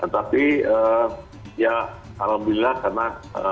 tapi ya alhamdulillah karena